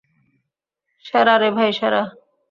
সেরা রে ভাই, সেরা!